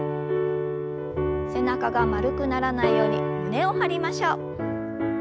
背中が丸くならないように胸を張りましょう。